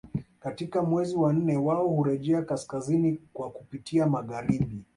Katika mwezi wa nne wao hurejea kaskazini kwa kupitia magharibi